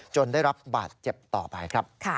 ได้รับบาดเจ็บต่อไปครับ